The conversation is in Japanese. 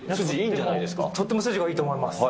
とっても筋いいと思います。